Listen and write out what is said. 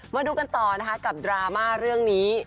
มาดูกันต่อนะคะกับดราม่าเรื่องนี้